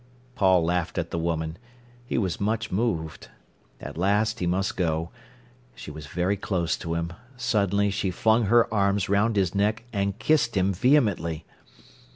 Paul laughed at the woman. He was much moved. At last he must go. She was very close to him. Suddenly she flung her arms round his neck and kissed him vehemently.